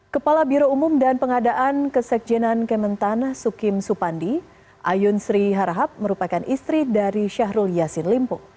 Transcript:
kepala biro umum dan pengadaan kesekjenan kementan sukim supandi ayun sri harahap merupakan istri dari syahrul yassin limpo